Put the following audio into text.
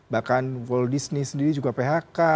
bahkan walt disney sendiri juga phk